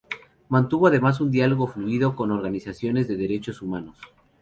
Mantuvo además un diálogo fluido con organizaciones de derechos humanos.